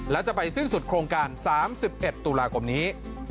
และจะไปสิ้นสุดโครงการ๓๑ตุลาคมนี้